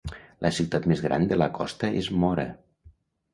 La ciutat més gran de la costa és Mora.